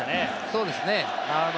そうですね。